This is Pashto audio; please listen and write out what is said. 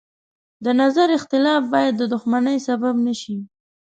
د نظر اختلاف باید د دښمنۍ سبب نه شي.